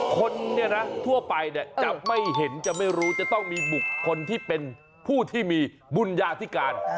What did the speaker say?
คนเนี่ยนะทั่วไปเนี่ยจะไม่เห็นจะไม่รู้จะต้องมีบุคคลที่เป็นผู้ที่มีบุญญาธิการ